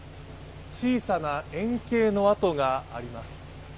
小さな円形の痕があります。